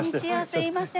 すいません。